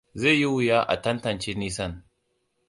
Zai yi wuya a tantance nisan.